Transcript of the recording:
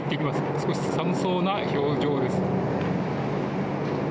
少し寒そうな表情です。